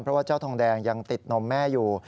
เพราะว่าเจ้าทองแดงยังติดนมแม่อยู่